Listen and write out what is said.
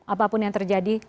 apapun yang terjadi